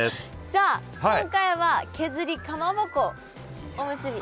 さあ今回は削りかまぼこおむすび。